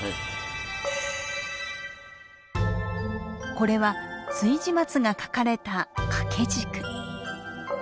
これは築地松が描かれた掛け軸。